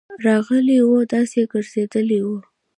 راغلی وو، داسي ګرځيدلی وو: